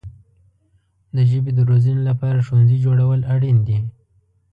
د ژبې د روزنې لپاره ښوونځي جوړول اړین دي.